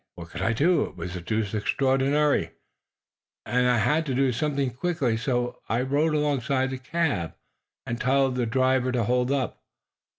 What could I do? It was deuced extraordinary, and I had to do something quickly, so I rode alongside the cab and told the driver to hold up.